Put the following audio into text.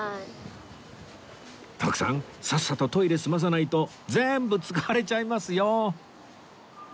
徳さんさっさとトイレ済まさないと全部使われちゃいますよ